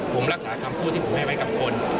ผมรักษาคำพูดที่ผมให้ไว้กับคน